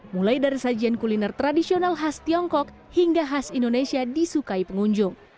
mulai dari sajian kuliner tradisional khas tiongkok hingga khas indonesia disukai pengunjung